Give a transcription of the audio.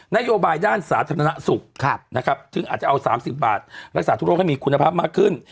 นโยบายด้านสาธารณสุขนะครับถึงอาจจะเอา๓๐บาทรักษาทั่วโลกให้มีคุณภาพมากขึ้น